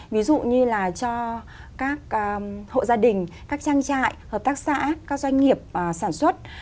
ví dụ như là cho các hộ gia đình các trang trại hợp tác xã các doanh nghiệp sản xuất